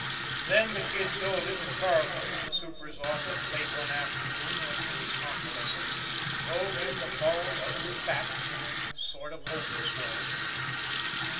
Then the Kid told it to Carleton in the super's office late one afternoon when he was convalescent told him the bald, ugly facts in a sort of hopeless way.